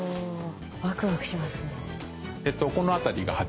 ワクワクしますね。